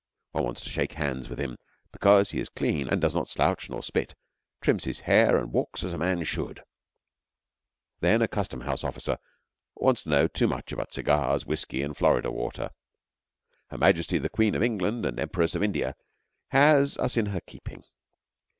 One wants to shake hands with him because he is clean and does not slouch nor spit, trims his hair, and walks as a man should. Then a custom house officer wants to know too much about cigars, whisky, and Florida water. Her Majesty the Queen of England and Empress of India has us in her keeping.